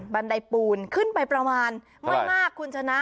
บันไดปูนขึ้นไปประมาณไม่มากคุณชนะ